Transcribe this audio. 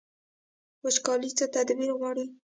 وچکالي څه تدبیر غواړي؟